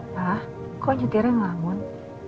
pak kok nyetirnya ngelamun